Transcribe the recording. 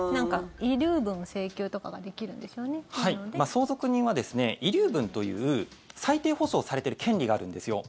相続人は遺留分という最低保障されている権利があるんですよ。